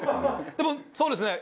でもそうですね。